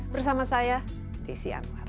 bersama saya desi anwar